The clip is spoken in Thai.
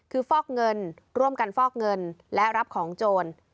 คือฟอกเงินร่วมกันฟอกเงินและรับของโจร